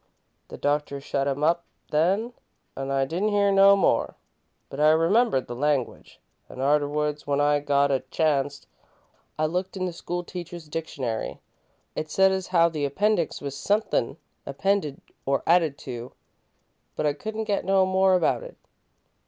"The doctor shut him up then, an' I didn't hear no more, but I remembered the language, an' arterwards, when I got a chanst, I looked in the school teacher's dictionary. It said as how the appendix was sunthin' appended or added to, but I couldn't get no more about it.